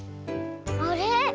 あれ？